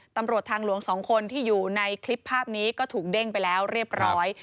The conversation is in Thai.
ตำรวจทางหลวง๒คนที่อยู่ในคลิปภาพนี้ก็ถูกเด้งไปแล้วเรียบร้อย